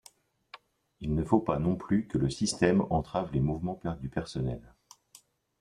Il ne faut pas non plus que le système entrave les mouvements du personnel.